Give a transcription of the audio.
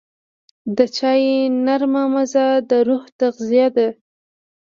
د چای نرمه مزه د روح تغذیه ده.